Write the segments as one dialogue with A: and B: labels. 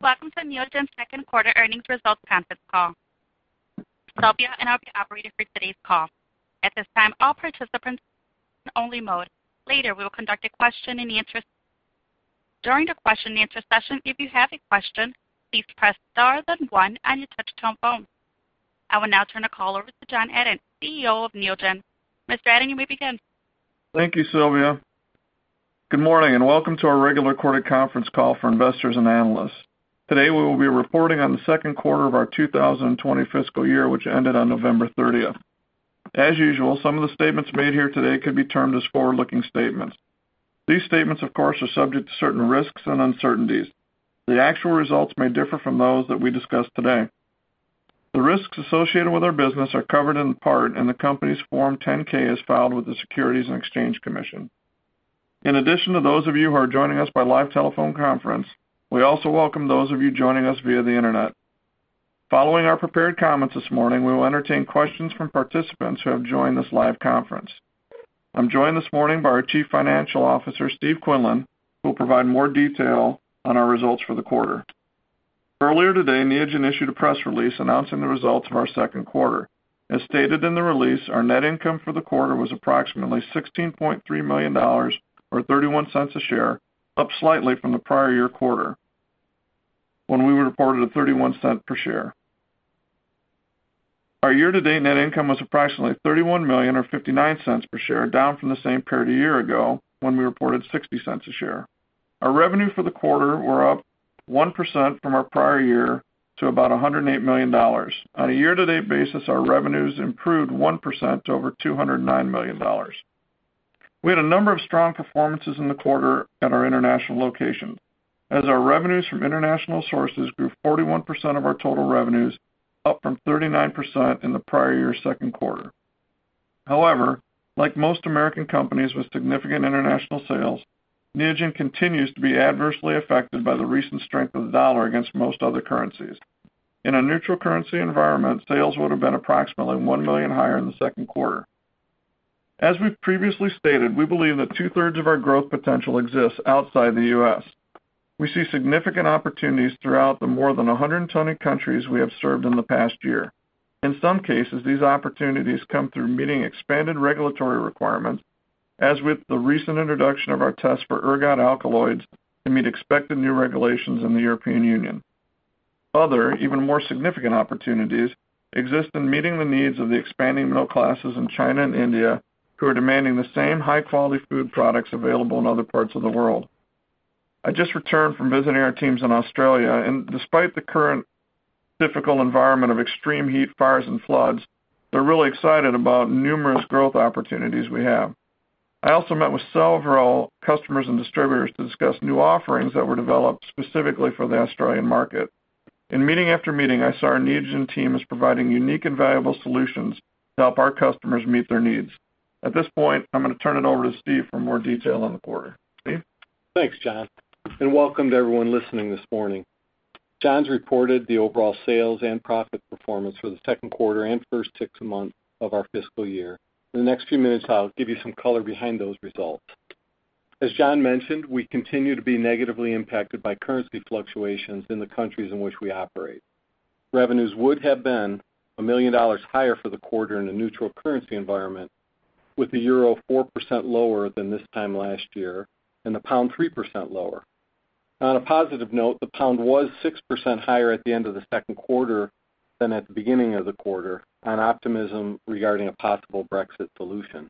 A: Welcome to Neogen's second quarter earnings results conference call. Sylvia, I'll be operating for today's call. At this time, all participants are in listen-only mode. Later, we will conduct a question and answer session. During the question and answer session, if you have a question, please press star then one on your touch-tone phone. I will now turn the call over to John Adent, CEO of Neogen. Mr. Adent, you may begin.
B: Thank you, Sylvia. Good morning, and welcome to our regular quarter conference call for investors and analysts. Today we will be reporting on the second quarter of our 2020 fiscal year, which ended on November 30th. As usual, some of the statements made here today could be termed as forward-looking statements. These statements, of course, are subject to certain risks and uncertainties. The actual results may differ from those that we discuss today. The risks associated with our business are covered in part in the company's Form 10-K, as filed with the Securities and Exchange Commission. In addition to those of you who are joining us by live telephone conference, we also welcome those of you joining us via the Internet. Following our prepared comments this morning, we will entertain questions from participants who have joined this live conference. I'm joined this morning by our Chief Financial Officer, Steven Quinlan, who will provide more detail on our results for the quarter. Earlier today, Neogen issued a press release announcing the results of our second quarter. As stated in the release, our net income for the quarter was approximately $16.3 million, or $0.31 a share, up slightly from the prior-year quarter, when we reported a $0.31 per share. Our year-to-date net income was approximately $31 million or $0.59 per share, down from the same period a year ago when we reported $0.60 a share. Our revenue for the quarter were up 1% from our prior-year to about $108 million. On a year-to-date basis, our revenues improved 1% to over $209 million. We had a number of strong performances in the quarter at our international location, as our revenues from international sources grew 41% of our total revenues, up from 39% in the prior year second quarter. However, like most American companies with significant international sales, Neogen continues to be adversely affected by the recent strength of the dollar against most other currencies. In a neutral currency environment, sales would have been approximately $1 million higher in the second quarter. As we've previously stated, we believe that two-thirds of our growth potential exists outside the U.S. We see significant opportunities throughout the more than 120 countries we have served in the past year. In some cases, these opportunities come through meeting expanded regulatory requirements, as with the recent introduction of our test for ergot alkaloids to meet expected new regulations in the European Union. Other, even more significant opportunities exist in meeting the needs of the expanding middle classes in China and India who are demanding the same high-quality food products available in other parts of the world. I just returned from visiting our teams in Australia, and despite the current difficult environment of extreme heat, fires, and floods, they're really excited about numerous growth opportunities we have. I also met with several customers and distributors to discuss new offerings that were developed specifically for the Australian market. In meeting after meeting, I saw our Neogen team is providing unique and valuable solutions to help our customers meet their needs. At this point, I'm going to turn it over to Steve for more detail on the quarter. Steve?
C: Thanks, John, and welcome to everyone listening this morning. John's reported the overall sales and profit performance for the second quarter and first six months of our fiscal year. In the next few minutes, I'll give you some color behind those results. As John mentioned, we continue to be negatively impacted by currency fluctuations in the countries in which we operate. Revenues would have been $1 million higher for the quarter in a neutral currency environment, with the euro 4% lower than this time last year and the pound 3% lower. On a positive note, the pound was 6% higher at the end of the second quarter than at the beginning of the quarter on optimism regarding a possible Brexit solution.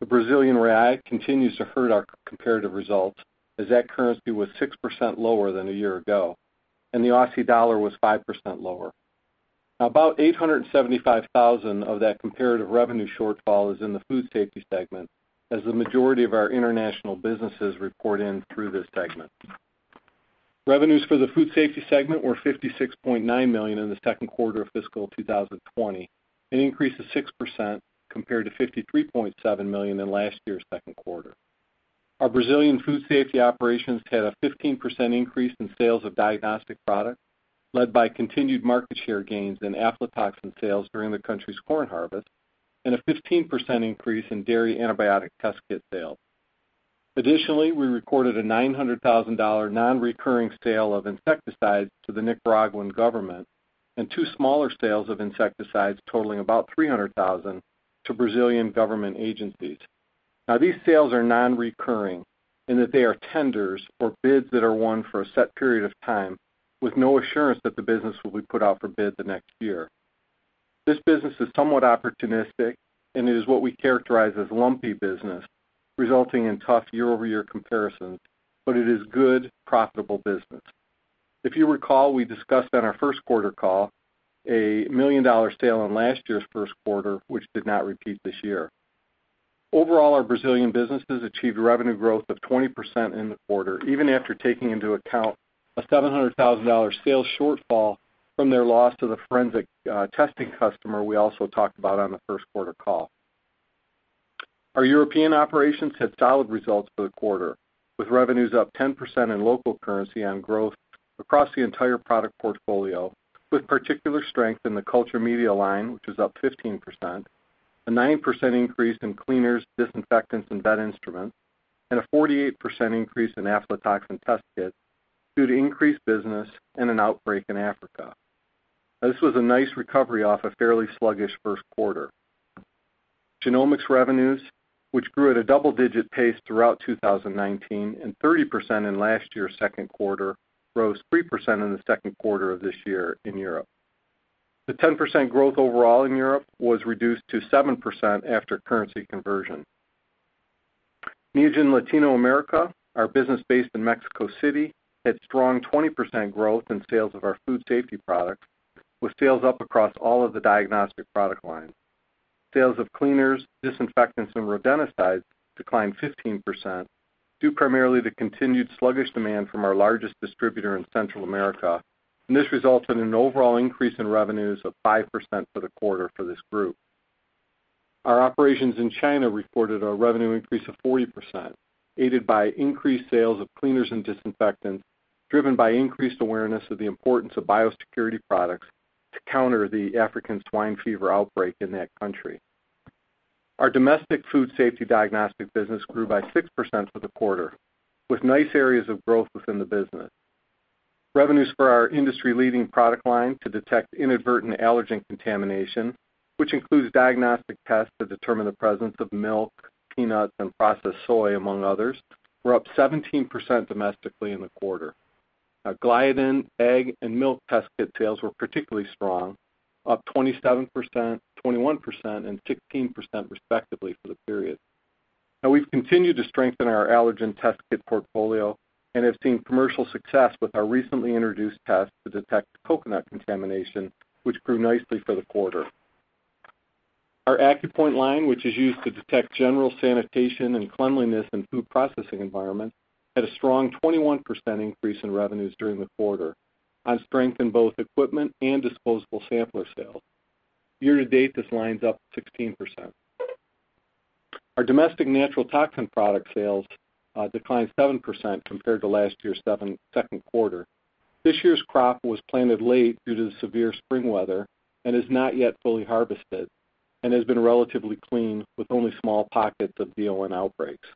C: The Brazilian real continues to hurt our comparative results, as that currency was 6% lower than a year ago, and the Aussie dollar was 5% lower. About $875,000 of that comparative revenue shortfall is in the Food Safety Segment, as the majority of our international businesses report in through this segment. Revenues for the Food Safety Segment were $56.9 million in the second quarter of fiscal 2020, an increase of 6% compared to $53.7 million in last year's second quarter. Our Brazilian food safety operations had a 15% increase in sales of diagnostic products, led by continued market share gains in aflatoxin sales during the country's corn harvest and a 15% increase in dairy antibiotic test kit sales. Additionally, we recorded a $900,000 non-recurring sale of insecticides to the Nicaraguan government and two smaller sales of insecticides totaling about $300,000 to Brazilian government agencies. These sales are non-recurring in that they are tenders or bids that are won for a set period of time with no assurance that the business will be put out for bid the next year. This business is somewhat opportunistic, and it is what we characterize as lumpy business, resulting in tough year-over-year comparisons, but it is good, profitable business. If you recall, we discussed on our first quarter call a million-dollar sale in last year's first quarter, which did not repeat this year. Overall, our Brazilian businesses achieved revenue growth of 20% in the quarter, even after taking into account a $700,000 sales shortfall from their loss to the forensic testing customer we also talked about on the first quarter call. Our European operations had solid results for the quarter, with revenues up 10% in local currency on growth across the entire product portfolio, with particular strength in the culture media line, which is up 15%, a 9% increase in cleaners, disinfectants, and vet instruments, and a 48% increase in aflatoxin test kits due to increased business and an outbreak in Africa. This was a nice recovery off a fairly sluggish first quarter. Genomics revenues, which grew at a double-digit pace throughout 2019 and 30% in last year's second quarter, rose 3% in the second quarter of this year in Europe. The 10% growth overall in Europe was reduced to 7% after currency conversion. Neogen Latin America, our business based in Mexico City, had strong 20% growth in sales of our food safety products with sales up across all of the diagnostic product lines. Sales of cleaners, disinfectants, and rodenticides declined 15%, due primarily to continued sluggish demand from our largest distributor in Central America, and this resulted in an overall increase in revenues of 5% for the quarter for this group. Our operations in China reported a revenue increase of 40%, aided by increased sales of cleaners and disinfectants, driven by increased awareness of the importance of biosecurity products to counter the African swine fever outbreak in that country. Our domestic food safety diagnostic business grew by 6% for the quarter, with nice areas of growth within the business. Revenues for our industry-leading product line to detect inadvertent allergen contamination, which includes diagnostic tests to determine the presence of milk, peanuts, and processed soy, among others, were up 17% domestically in the quarter. Our gliadin, egg, and milk test kit sales were particularly strong, up 27%, 21%, and 16% respectively for the period. We've continued to strengthen our allergen test kit portfolio and have seen commercial success with our recently introduced test to detect coconut contamination, which grew nicely for the quarter. Our AccuPoint line, which is used to detect general sanitation and cleanliness in food processing environments, had a strong 21% increase in revenues during the quarter on strength in both equipment and disposable sampler sales. Year to date, this line's up 16%. Our domestic natural toxin product sales declined 7% compared to last year's second quarter. This year's crop was planted late due to the severe spring weather and is not yet fully harvested and has been relatively clean with only small pockets of DON outbreaks.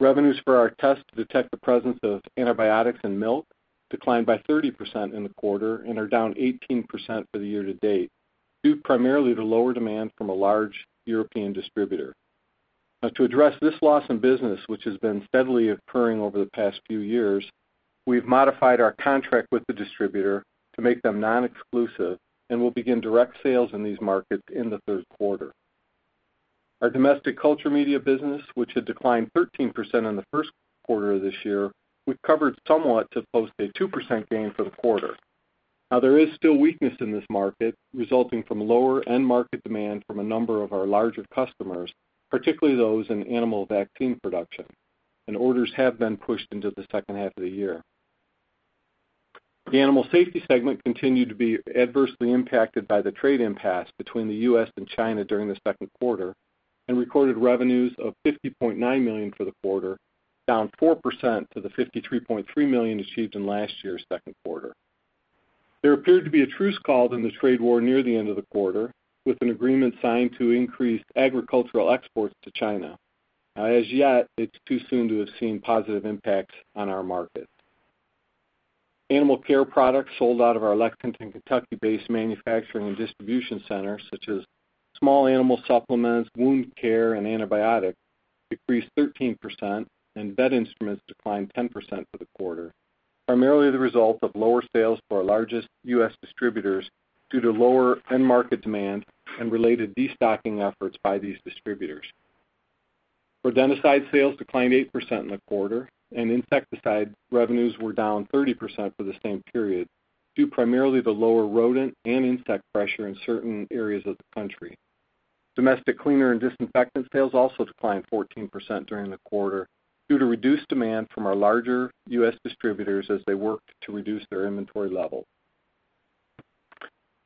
C: Revenues for our tests to detect the presence of antibiotics in milk declined by 30% in the quarter and are down 18% for the year to date, due primarily to lower demand from a large European distributor. To address this loss in business, which has been steadily occurring over the past few years, we've modified our contract with the distributor to make them non-exclusive and will begin direct sales in these markets in the third quarter. Our domestic culture media business, which had declined 13% in the first quarter of this year, recovered somewhat to post a 2% gain for the quarter. There is still weakness in this market resulting from lower end market demand from a number of our larger customers, particularly those in animal vaccine production, and orders have been pushed into the second half of the year. The animal safety segment continued to be adversely impacted by the trade impasse between the U.S. and China during the second quarter and recorded revenues of $50.9 million for the quarter, down 4% to the $53.3 million achieved in last year's second quarter. There appeared to be a truce called in the trade war near the end of the quarter with an agreement signed to increase agricultural exports to China. As yet, it's too soon to have seen positive impacts on our market. Animal care products sold out of our Lexington, Kentucky-based manufacturing and distribution center, such as small animal supplements, wound care, and antibiotics, decreased 13%, and vet instruments declined 10% for the quarter, primarily the result of lower sales to our largest U.S. distributors due to lower end market demand and related destocking efforts by these distributors. rodenticide sales declined 8% in the quarter, and insecticide revenues were down 30% for the same period, due primarily to lower rodent and insect pressure in certain areas of the country. Domestic cleaner and disinfectant sales also declined 14% during the quarter due to reduced demand from our larger U.S. distributors as they worked to reduce their inventory level.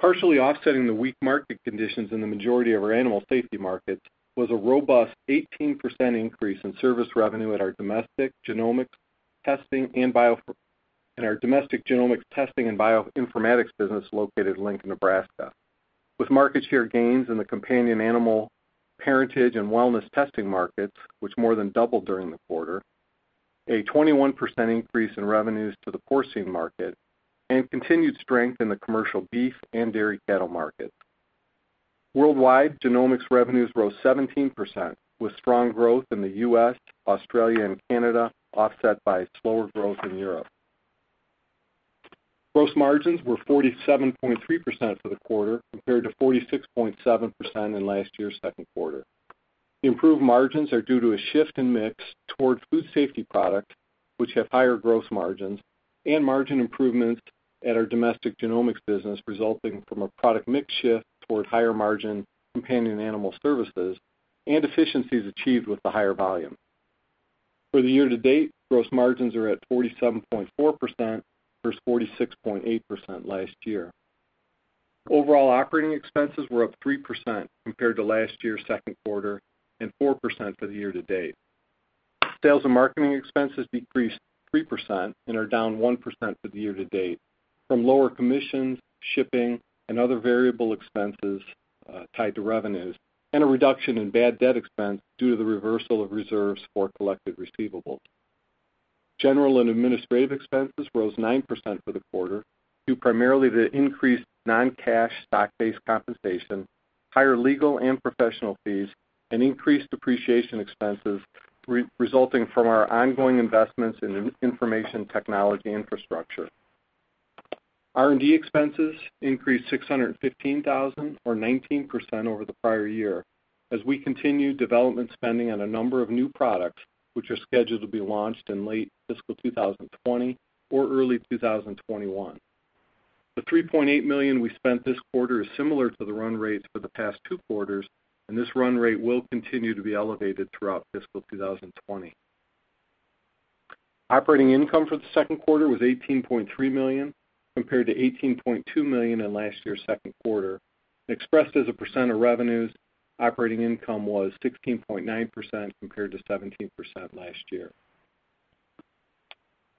C: Partially offsetting the weak market conditions in the majority of our animal safety markets was a robust 18% increase in service revenue at our domestic genomics testing and bioinformatics business located in Lincoln, Nebraska, with market share gains in the companion animal parentage and wellness testing markets, which more than doubled during the quarter, a 21% increase in revenues to the porcine market, and continued strength in the commercial beef and dairy cattle market. Worldwide, genomics revenues rose 17%, with strong growth in the U.S., Australia, and Canada, offset by slower growth in Europe. Gross margins were 47.3% for the quarter compared to 46.7% in last year's second quarter. The improved margins are due to a shift in mix toward food safety products, which have higher gross margins, and margin improvements at our domestic genomics business resulting from a product mix shift toward higher-margin companion animal services and efficiencies achieved with the higher volume. For the year-to-date, gross margins are at 47.4% versus 46.8% last year. Overall operating expenses were up 3% compared to last year's second quarter, and 4% for the year-to-date. Sales and marketing expenses decreased 3% and are down 1% for the year-to-date from lower commissions, shipping, and other variable expenses tied to revenues, and a reduction in bad debt expense due to the reversal of reserves for collected receivables. General and administrative expenses rose 9% for the quarter due primarily to the increased non-cash stock-based compensation, higher legal and professional fees, and increased depreciation expenses resulting from our ongoing investments in information technology infrastructure. R&D expenses increased 615,000, or 19% over the prior year as we continue development spending on a number of new products which are scheduled to be launched in late fiscal 2020 or early 2021. The $3.8 million we spent this quarter is similar to the run rates for the past two quarters, and this run rate will continue to be elevated throughout fiscal 2020. Operating income for the second quarter was $18.3 million, compared to $18.2 million in last year's second quarter. Expressed as a percent of revenues, operating income was 16.9% compared to 17% last year.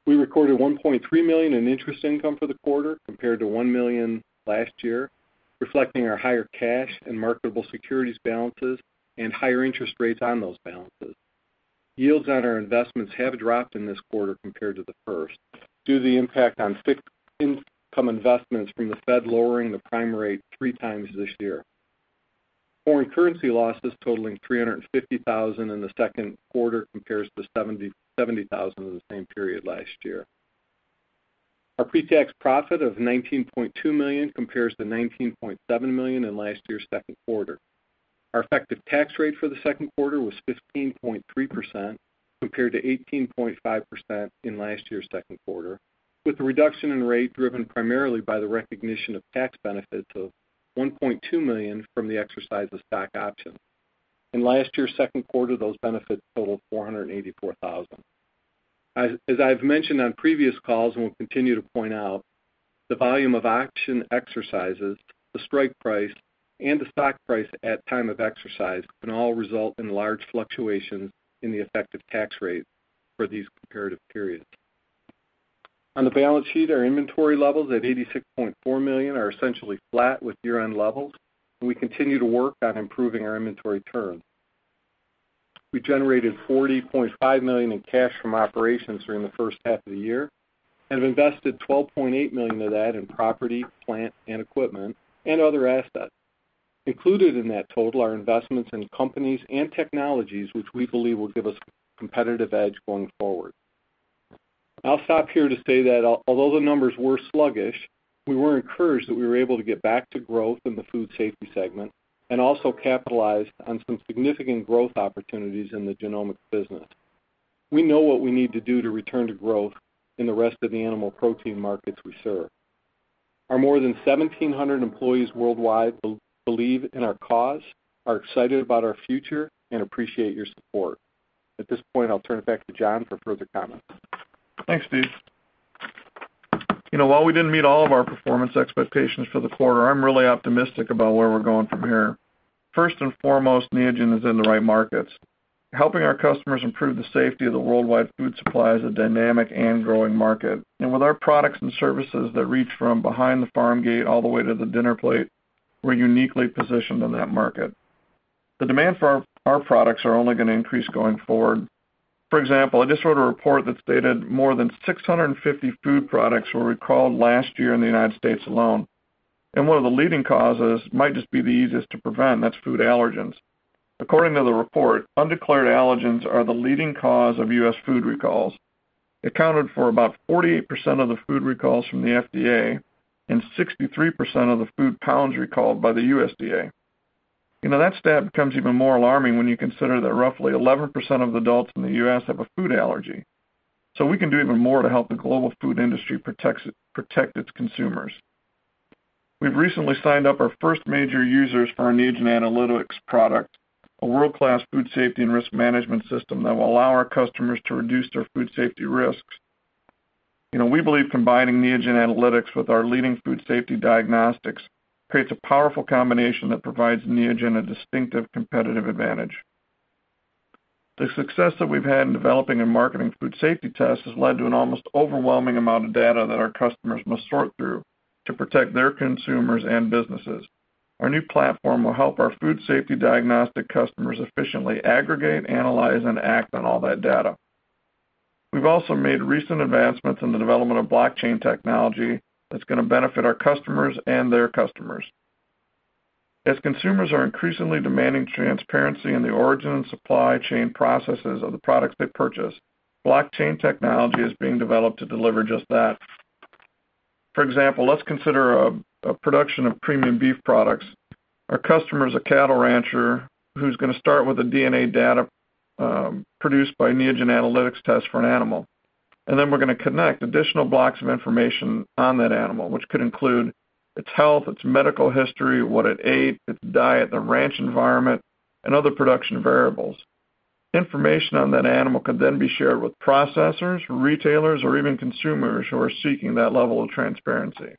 C: We recorded $1.3 million in interest income for the quarter, compared to $1 million last year, reflecting our higher cash and marketable securities balances and higher interest rates on those balances. Yields on our investments have dropped in this quarter compared to the first due to the impact on fixed income investments from the Fed lowering the prime rate three times this year. Foreign currency losses totaling $350,000 in the second quarter compares to $70,000 in the same period last year. Our pre-tax profit of $19.2 million compares to $19.7 million in last year's second quarter. Our effective tax rate for the second quarter was 15.3% compared to 18.5% in last year's second quarter, with the reduction in rate driven primarily by the recognition of tax benefits of $1.2 million from the exercise of stock options. In last year's second quarter, those benefits totaled $484,000. As I've mentioned on previous calls and will continue to point out, the volume of option exercises, the strike price, and the stock price at time of exercise can all result in large fluctuations in the effective tax rate for these comparative periods. On the balance sheet, our inventory levels at $86.4 million are essentially flat with year-end levels, and we continue to work on improving our inventory turn. We generated $40.5 million in cash from operations during the first half of the year and have invested $12.8 million of that in property, plant, and equipment, and other assets. Included in that total are investments in companies and technologies which we believe will give us competitive edge going forward. I'll stop here to say that although the numbers were sluggish, we were encouraged that we were able to get back to growth in the food safety segment and also capitalize on some significant growth opportunities in the Genomics Business. We know what we need to do to return to growth in the rest of the animal protein markets we serve. Our more than 1,700 employees worldwide believe in our cause, are excited about our future, and appreciate your support. At this point, I'll turn it back to John for further comments.
B: Thanks, Steve. While we didn't meet all of our performance expectations for the quarter, I'm really optimistic about where we're going from here. First and foremost, Neogen is in the right markets. Helping our customers improve the safety of the worldwide food supply is a dynamic and growing market. With our products and services that reach from behind the farm gate all the way to the dinner plate, we're uniquely positioned in that market. The demand for our products are only going to increase going forward. For example, I just read a report that stated more than 650 food products were recalled last year in the U.S. alone. One of the leading causes might just be the easiest to prevent, and that's food allergens. According to the report, undeclared allergens are the leading cause of U.S. food recalls. It accounted for about 48% of the food recalls from the FDA and 63% of the food pounds recalled by the USDA. That stat becomes even more alarming when you consider that roughly 11% of adults in the U.S. have a food allergy. We can do even more to help the global food industry protect its consumers. We've recently signed up our first major users for our Neogen Analytics product, a world-class food safety and risk management system that will allow our customers to reduce their food safety risks. We believe combining Neogen Analytics with our leading food safety diagnostics creates a powerful combination that provides Neogen a distinctive competitive advantage. The success that we've had in developing and marketing food safety tests has led to an almost overwhelming amount of data that our customers must sort through to protect their consumers and businesses. Our new platform will help our food safety diagnostic customers efficiently aggregate, analyze, and act on all that data. We've also made recent advancements in the development of blockchain technology that's going to benefit our customers and their customers. As consumers are increasingly demanding transparency in the origin and supply chain processes of the products they purchase, blockchain technology is being developed to deliver just that. For example, let's consider a production of premium beef products. Our customer's a cattle rancher who's going to start with a DNA data produced by Neogen Analytics test for an animal. Then we're going to connect additional blocks of information on that animal, which could include its health, its medical history, what it ate, its diet, the ranch environment, and other production variables. Information on that animal can then be shared with processors, retailers, or even consumers who are seeking that level of transparency.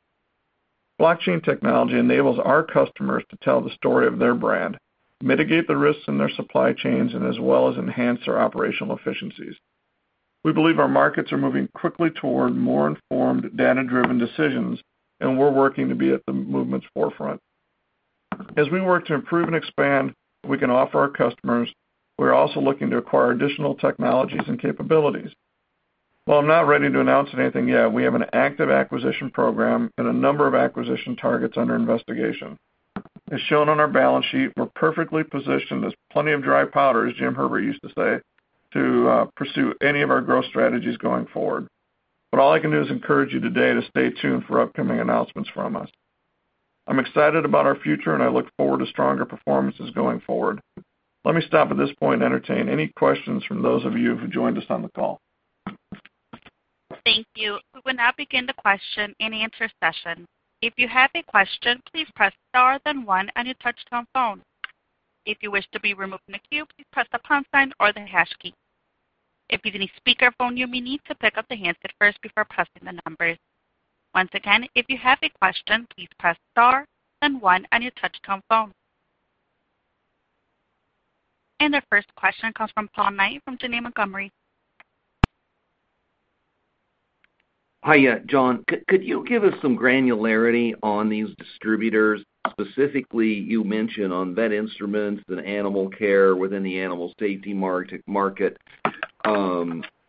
B: Blockchain technology enables our customers to tell the story of their brand, mitigate the risks in their supply chains, and as well as enhance their operational efficiencies. We believe our markets are moving quickly toward more informed, data-driven decisions, and we're working to be at the movement's forefront. As we work to improve and expand what we can offer our customers, we're also looking to acquire additional technologies and capabilities. While I'm not ready to announce anything yet, we have an active acquisition program and a number of acquisition targets under investigation. As shown on our balance sheet, we're perfectly positioned, there's plenty of dry powder, as James Herbert used to say, to pursue any of our growth strategies going forward. All I can do is encourage you today to stay tuned for upcoming announcements from us. I'm excited about our future, and I look forward to stronger performances going forward. Let me stop at this point and entertain any questions from those of you who joined us on the call.
A: Thank you. We will now begin the question and answer session. If you have a question, please press star then one on your touchtone phone. If you wish to be removed from the queue, please press the pound sign or the hash key. If using a speakerphone, you may need to pick up the handset first before pressing the numbers. Once again, if you have a question, please press star then one on your touchtone phone. The first question comes from Paul Knight from Janney Montgomery.
D: Hi, John. Could you give us some granularity on these distributors? Specifically, you mention on vet instruments and animal care within the animal safety market.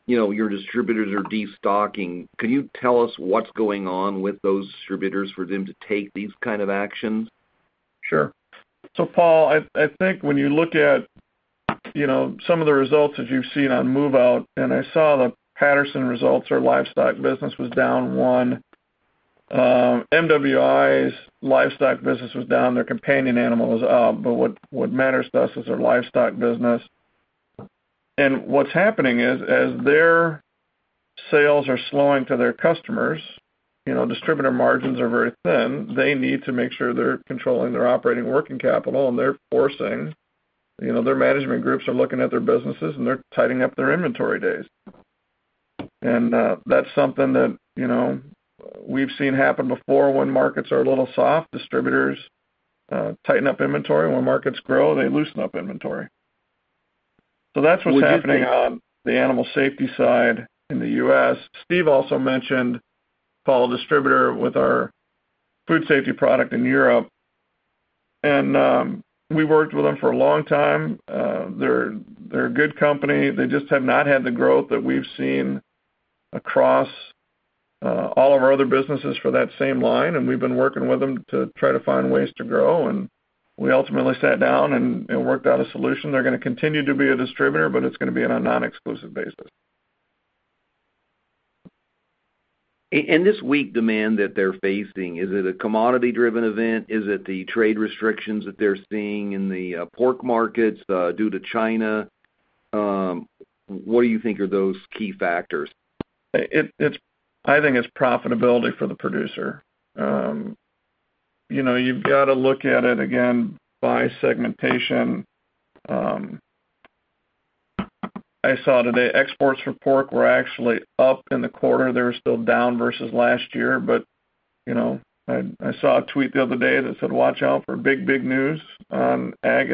D: Your distributors are destocking. Can you tell us what's going on with those distributors for them to take these kind of actions?
B: Sure. Paul, I think when you look at some of the results that you've seen on move out, I saw the Patterson results, their livestock business was down one. MWI's livestock business was down. Their companion animal was up. What matters to us is their livestock business. What's happening is, as their sales are slowing to their customers, distributor margins are very thin. They need to make sure they're controlling their operating working capital. Their management groups are looking at their businesses, they're tightening up their inventory days. That's something that we've seen happen before when markets are a little soft. Distributors tighten up inventory. When markets grow, they loosen up inventory. That's what's happening on the animal safety side in the U.S. Steve also mentioned, Paul, a distributor with our food safety product in Europe. We've worked with them for a long time. They're a good company. They just have not had the growth that we've seen across all of our other businesses for that same line, and we've been working with them to try to find ways to grow. We ultimately sat down and worked out a solution. They're going to continue to be a distributor, but it's going to be on a non-exclusive basis.
D: This weak demand that they're facing, is it a commodity-driven event? Is it the trade restrictions that they're seeing in the pork markets due to China? What do you think are those key factors?
B: I think it's profitability for the producer. You've got to look at it, again, by segmentation. I saw today exports for pork were actually up in the quarter. They were still down versus last year. I saw a tweet the other day that said, "Watch out for big, big news on ag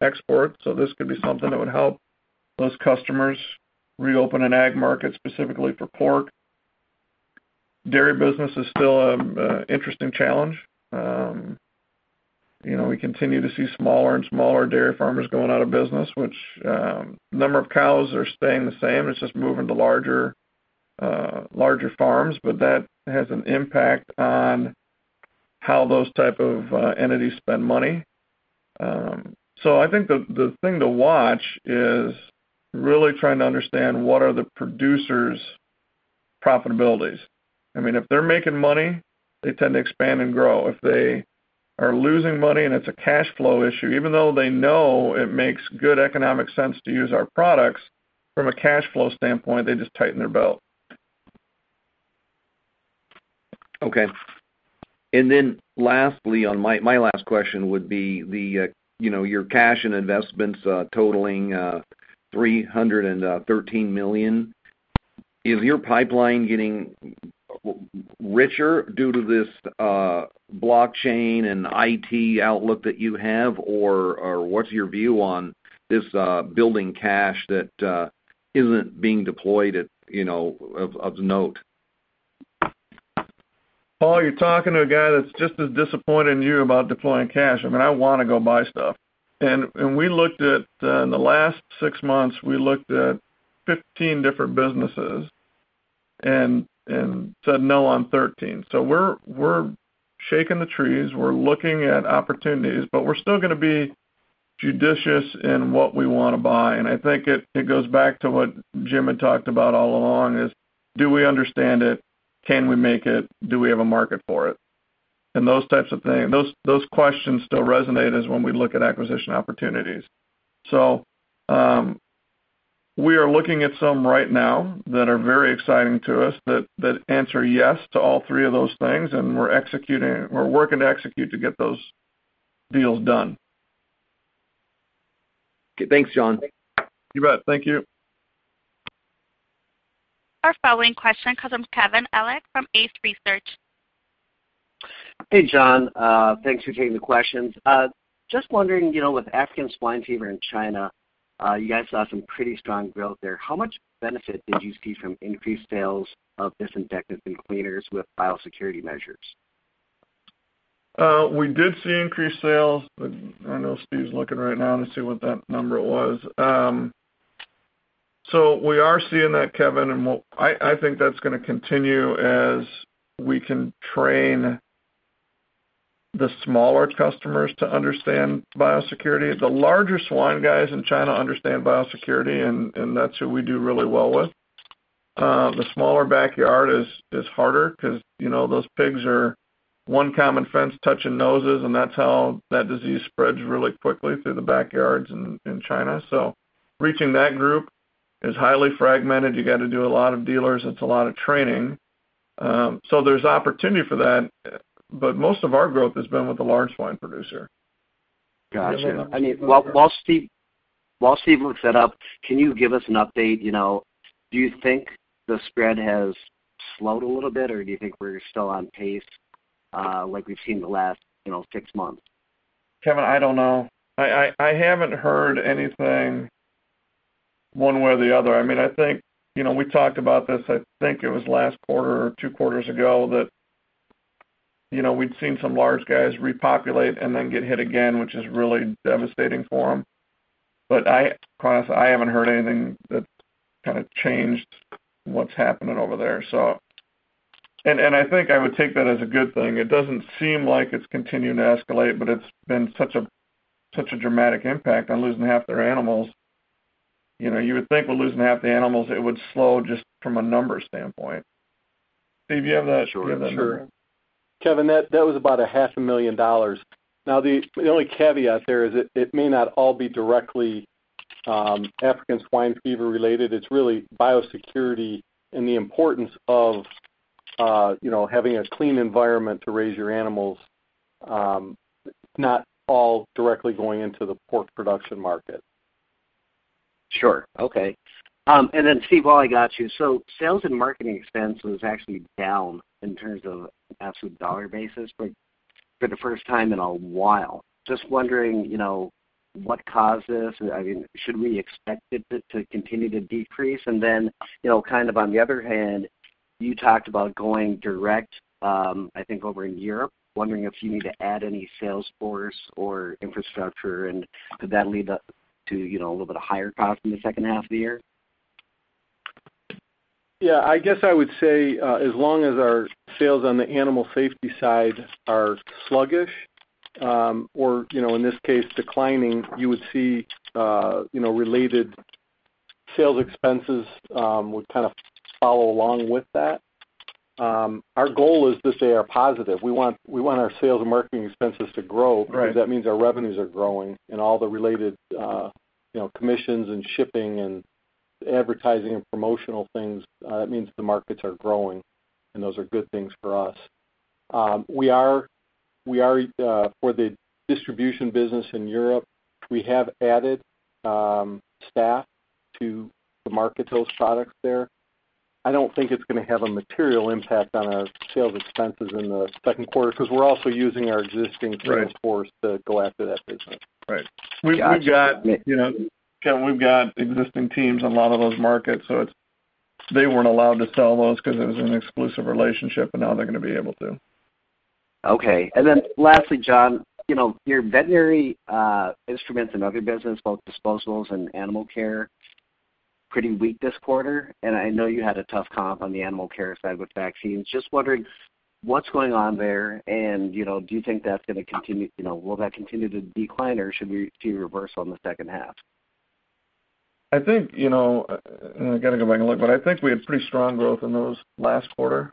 B: exports." This could be something that would help those customers reopen an ag market, specifically for pork. Dairy business is still an interesting challenge. We continue to see smaller and smaller dairy farmers going out of business, which number of cows are staying the same. It's just moving to larger farms. That has an impact on how those type of entities spend money. I think the thing to watch is really trying to understand what are the producers' profitabilities. If they're making money, they tend to expand and grow. If they are losing money and it's a cash flow issue, even though they know it makes good economic sense to use our products, from a cash flow standpoint, they just tighten their belt.
D: Okay. Lastly, my last question would be your cash and investments totaling $313 million. Is your pipeline getting richer due to this blockchain and IT outlook that you have? What's your view on this building cash that isn't being deployed of note?
B: Paul, you're talking to a guy that's just as disappointed in you about deploying cash. I want to go buy stuff. In the last six months, we looked at 15 different businesses and said no on 13. We're shaking the trees. We're looking at opportunities. We're still going to be judicious in what we want to buy. I think it goes back to what Jim had talked about all along is, do we understand it? Can we make it? Do we have a market for it? Those types of things. Those questions still resonate as when we look at acquisition opportunities. We are looking at some right now that are very exciting to us that answer yes to all three of those things, and we're working to execute to get those deals done.
D: Okay, thanks, John.
B: You bet. Thank you.
A: Our following question comes from Kevin Ellich from Ace Research.
E: Hey, John. Thanks for taking the questions. Just wondering, with African swine fever in China, you guys saw some pretty strong growth there. How much benefit did you see from increased sales of disinfectants and cleaners with biosecurity measures?
B: We did see increased sales. I know Steve's looking right now to see what that number was. We are seeing that, Kevin, and I think that's going to continue as we can train the smaller customers to understand biosecurity. The larger swine guys in China understand biosecurity, and that's who we do really well with. The smaller backyard is harder because those pigs are one common fence touching noses, and that's how that disease spreads really quickly, through the backyards in China. Reaching that group is highly fragmented. You got to do a lot of dealers. It's a lot of training. There's opportunity for that, but most of our growth has been with the large swine producer.
E: Got you. While Steve looks that up, can you give us an update? Do you think the spread has slowed a little bit, or do you think we're still on pace like we've seen the last six months?
B: Kevin, I don't know. I haven't heard anything one way or the other. We talked about this, I think it was last quarter or two quarters ago, that we'd seen some large guys repopulate and then get hit again, which is really devastating for them. Quite honestly, I haven't heard anything that's changed what's happening over there. I think I would take that as a good thing. It doesn't seem like it's continuing to escalate, but it's been such a dramatic impact on losing half their animals. You would think with losing half the animals, it would slow just from a numbers standpoint. Steve, do you have that?
C: Sure. Kevin, that was about a half a million dollars. The only caveat there is it may not all be directly African swine fever-related. It's really biosecurity and the importance of having a clean environment to raise your animals, not all directly going into the pork production market.
E: Sure. Okay. Then Steve, while I got you. Sales and marketing expense was actually down in terms of absolute dollar basis for the first time in a while. Just wondering, what caused this? Should we expect it to continue to decrease? Then, kind of on the other hand, you talked about going direct, I think over in Europe. Wondering if you need to add any sales force or infrastructure, and could that lead to a little bit of higher cost in the second half of the year?
C: Yeah. I guess I would say, as long as our sales on the animal safety side are sluggish, or in this case, declining, you would see related sales expenses would kind of follow along with that. Our goal is to stay are positive. We want our sales and marketing expenses to grow.
B: Right.
C: Because that means our revenues are growing and all the related commissions and shipping and advertising and promotional things, that means the markets are growing, and those are good things for us. For the distribution business in Europe, we have added staff to market those products there. I don't think it's going to have a material impact on our sales expenses in the second quarter because we're also using our existing.
B: Right
C: sales force to go after that business.
B: Right. Kevin, we've got existing teams in a lot of those markets. They weren't allowed to sell those because it was an exclusive relationship. Now they're going to be able to.
E: Okay. Lastly, John, your veterinary instruments and other business, both disposables and animal care, pretty weak this quarter. I know you had a tough comp on the animal care side with vaccines. Just wondering what's going on there, and will that continue to decline, or should we see a reverse on the second half?
B: I think, and I've got to go back and look, but I think we had pretty strong growth in those last quarter.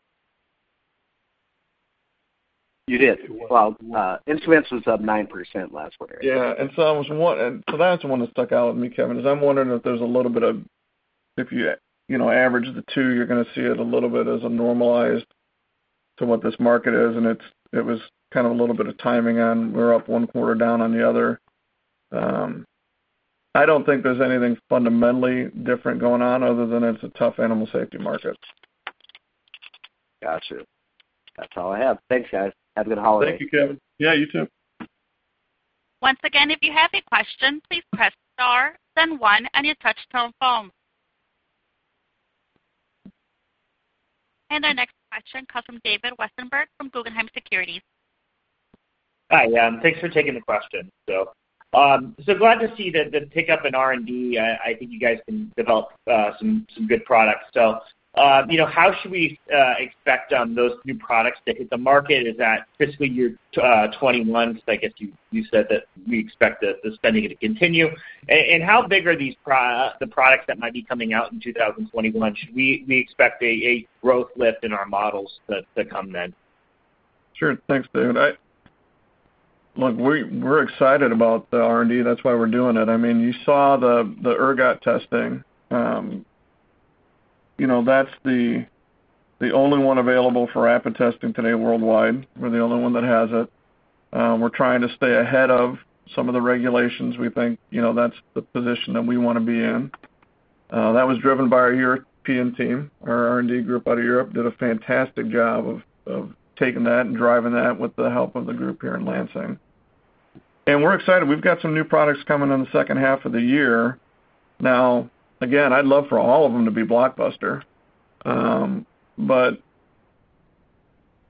E: You did. Well, instruments was up 9% last quarter.
B: Yeah. That's the one that stuck out with me, Kevin, is I'm wondering if there's a little bit of, if you average the two, you're going to see it a little bit as a normalized to what this market is. It was kind of a little bit of timing on we're up one quarter, down on the other. I don't think there's anything fundamentally different going on other than it's a tough animal safety market.
E: Got you. That's all I have. Thanks, guys. Have a good holiday.
B: Thank you, Kevin. Yeah, you too.
A: Once again, if you have a question, please press star then one on your touch tone phone. Our next question comes from David Westenberg from Guggenheim Securities.
F: Hi. Thanks for taking the question. Glad to see the pickup in R&D. I think you guys can develop some good products. How should we expect those new products to hit the market? Is that fiscal year 2021? I guess you said that we expect the spending to continue. How big are the products that might be coming out in 2021? Should we expect a growth lift in our models to come then?
B: Sure. Thanks, David. Look, we're excited about the R&D. That's why we're doing it. You saw the ergot testing. That's the only one available for rapid testing today worldwide. We're the only one that has it. We're trying to stay ahead of some of the regulations. We think that's the position that we want to be in. That was driven by our European team. Our R&D group out of Europe did a fantastic job of taking that and driving that with the help of the group here in Lansing. We're excited. We've got some new products coming in the second half of the year. Now, again, I'd love for all of them to be blockbuster.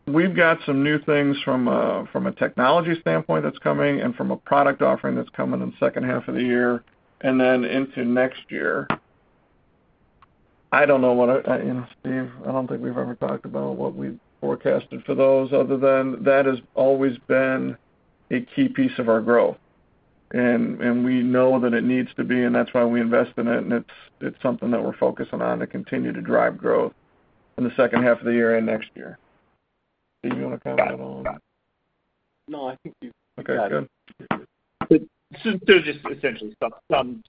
B: We've got some new things from a technology standpoint that's coming and from a product offering that's coming in the second half of the year and then into next year. Steve, I don't think we've ever talked about what we forecasted for those other than that has always been a key piece of our growth. We know that it needs to be, and that's why we invest in it, and it's something that we're focusing on to continue to drive growth in the second half of the year and next year. Steve, you want to comment at all?
C: No, I think.
B: Okay, good.
F: Just essentially some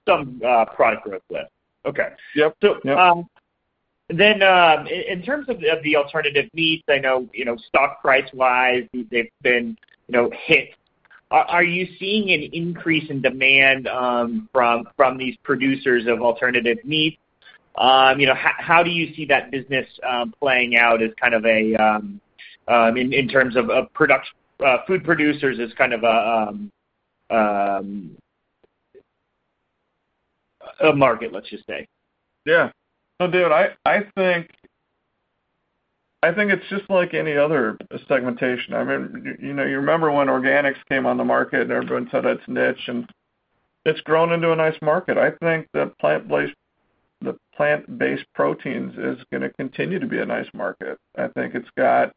F: product road map. Okay.
B: Yep.
F: In terms of the alternative meats, I know stock price-wise, they've been hit. Are you seeing an increase in demand from these producers of alternative meat? How do you see that business playing out in terms of food producers as kind of a market, let's just say?
B: Yeah. No, dude, I think it's just like any other segmentation. You remember when organics came on the market and everyone said that's niche, and it's grown into a nice market. I think the plant-based proteins is going to continue to be a nice market. I think it's got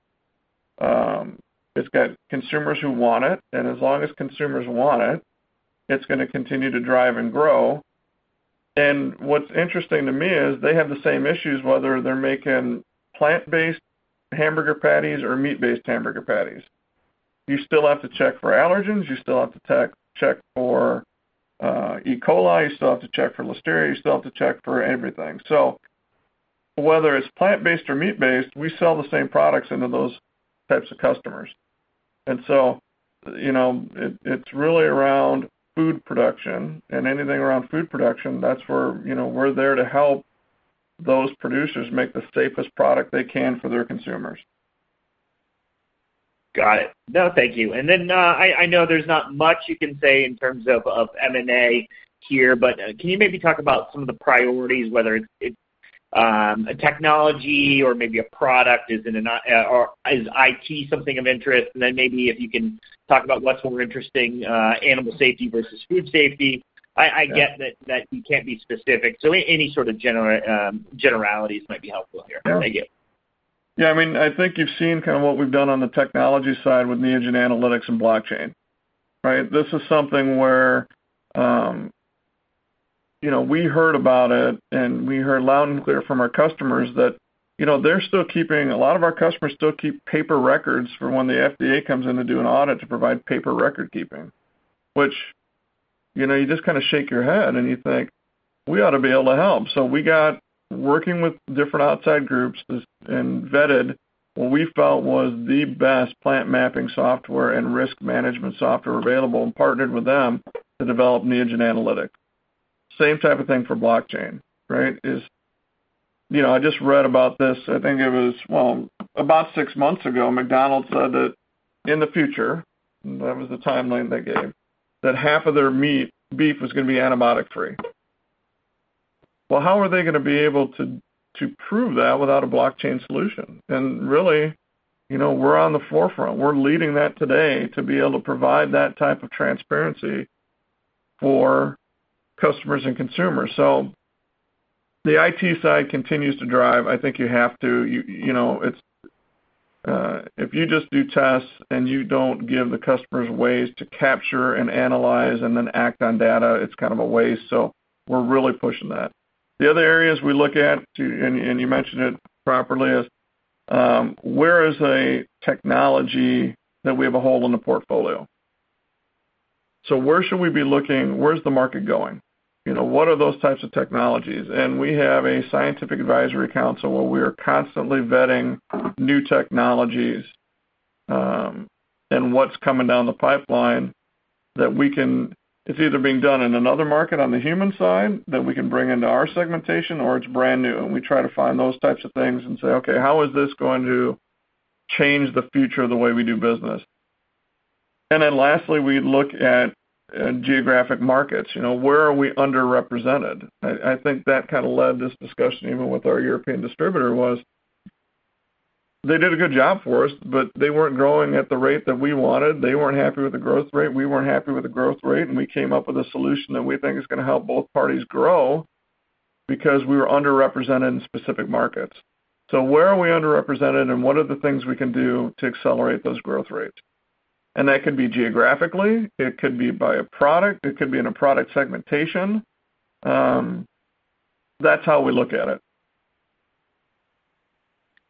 B: consumers who want it, and as long as consumers want it's going to continue to drive and grow. What's interesting to me is they have the same issues whether they're making plant-based hamburger patties or meat-based hamburger patties. You still have to check for allergens. You still have to check for E. coli. You still have to check for Listeria. You still have to check for everything. Whether it's plant-based or meat-based, we sell the same products into those types of customers. It's really around food production and anything around food production, that's where we're there to help those producers make the safest product they can for their consumers.
F: Got it. No, thank you. Then, I know there's not much you can say in terms of M&A here, but can you maybe talk about some of the priorities, whether it's a technology or maybe a product? Is IT something of interest? Then maybe if you can talk about what's more interesting, animal safety versus food safety. I get that you can't be specific, so any sort of generalities might be helpful here. Thank you.
B: Yeah, I think you've seen kind of what we've done on the technology side with Neogen Analytics and blockchain, right? This is something where we heard about it and we heard loud and clear from our customers that a lot of our customers still keep paper records for when the FDA comes in to do an audit to provide paper record keeping, which you just kind of shake your head and you think, "We ought to be able to help." We got working with different outside groups and vetted what we felt was the best plant mapping software and risk management software available and partnered with them to develop Neogen Analytics. Same type of thing for blockchain, right? I just read about this, I think it was, well, about 6 months ago, McDonald's said that in the future, that was the timeline they gave, that half of their beef was going to be antibiotic free. How are they going to be able to prove that without a blockchain solution? Really, we're on the forefront. We're leading that today to be able to provide that type of transparency for customers and consumers. The IT side continues to drive. I think you have to. If you just do tests and you don't give the customers ways to capture and analyze and then act on data, it's kind of a waste. We're really pushing that. The other areas we look at, you mentioned it properly, is where is a technology that we have a hole in the portfolio? Where should we be looking? Where's the market going? What are those types of technologies? We have a scientific advisory council where we are constantly vetting new technologies and what's coming down the pipeline that it's either being done in another market on the human side that we can bring into our segmentation, or it's brand new, and we try to find those types of things and say, "Okay, how is this going to change the future of the way we do business?" Lastly, we look at geographic markets. Where are we underrepresented? I think that kind of led this discussion even with our European distributor was they did a good job for us, but they weren't growing at the rate that we wanted. They weren't happy with the growth rate. We weren't happy with the growth rate. We came up with a solution that we think is going to help both parties grow because we were underrepresented in specific markets. Where are we underrepresented, and what are the things we can do to accelerate those growth rates? That could be geographically. It could be by a product. It could be in a product segmentation. That's how we look at it.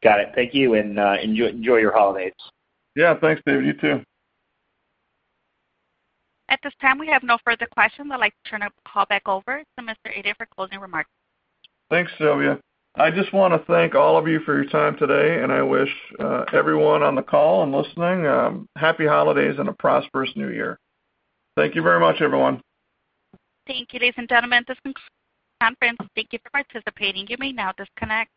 F: Got it. Thank you, and enjoy your holidays.
B: Yeah. Thanks, David. You too.
A: At this time, we have no further questions. I'd like to turn the call back over to John Adent for closing remarks.
B: Thanks, Sylvia. I just want to thank all of you for your time today, and I wish everyone on the call and listening happy holidays and a prosperous new year. Thank you very much, everyone.
A: Thank you, ladies and gentlemen. This concludes the conference. Thank you for participating. You may now disconnect.